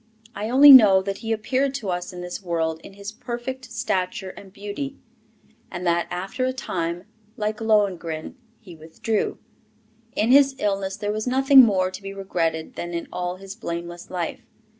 I only know that he appeared to us in this world in his perfect stature and beauty, and that after a time, like Lohengrin, he withdrew. In his illness there was nothing more to be regretted than in all his blameless life.